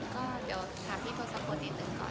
ก็ถามพี่ทสโมนอีกหนึ่งก่อน